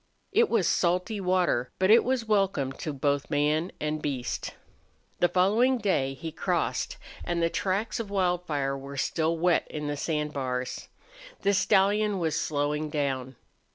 It was salty water, but it was welcome to both man and beast. The following day he crossed, and the tracks of Wildfire were still wet on the sand bars. The stallion was slowing down.